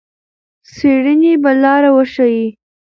څېړنې به لار وښيي.